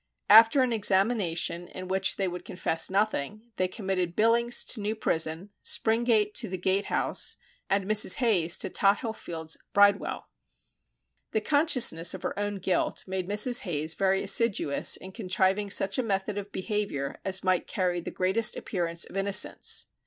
After an examination in which they would confess nothing, they committed Billings to New Prison, Springate to the Gate House, and Mrs. Hayes to Tothill Fields Bridewell. The consciousness of her own guilt made Mrs. Hayes very assiduous in contriving such a method of behaviour as might carry the greatest appearance of innocence.